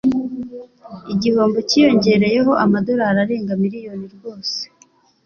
Igihombo cyiyongereyeho amadolari arenga miliyoni rwose